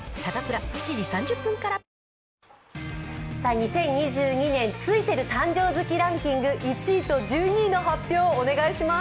２０２２年ツイてる誕生月ランキング、１位と１２位の発表をお願いします。